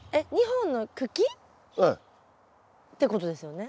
２本の茎？ええ。ってことですよね？